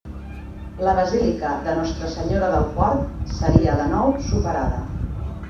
La Basílica de Nostra Senyora del Port, seria de nou superada.